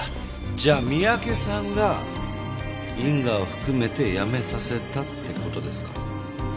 じゃあ三宅さんが因果を含めて辞めさせたって事ですか？